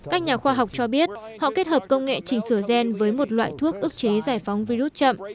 các nhà khoa học cho biết họ kết hợp công nghệ trình sửa gen với một loại thuốc ước chế giải phóng virus chậm